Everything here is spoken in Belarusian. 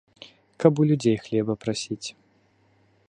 Каб у людзей хлеба прасіць.